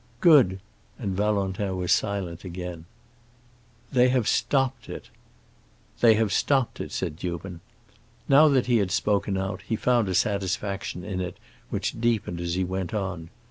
"Good!" And Valentin was silent again. "They have stopped it." "They have stopped it," said Newman. Now that he had spoken out, he found a satisfaction in it which deepened as he went on.